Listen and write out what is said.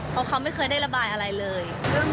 เพราะเขาไม่เคยได้ระบายอะไรเลย